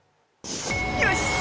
よし！